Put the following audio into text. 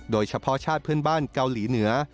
โดยเฉพาะชาติเพื่อนบ้านเกาหลีเหนือ